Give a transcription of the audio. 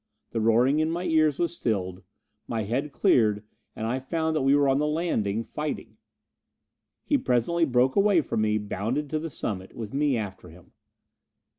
The roaring in my ears was stilled; my head cleared, and I found that we were on the landing fighting. He presently broke away from me, bounded to the summit, with me after him.